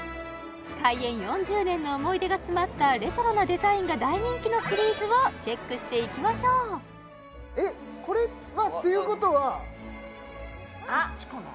開園４０年の思い出が詰まったレトロなデザインが大人気のシリーズをチェックしていきましょうえっこれということはあっこっちかな？